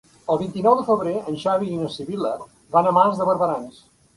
El vint-i-nou de febrer en Xavi i na Sibil·la van a Mas de Barberans.